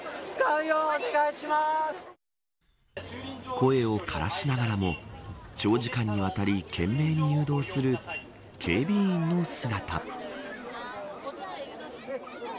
声を枯らしながらも長時間にわたり懸命に誘導する警備員の姿。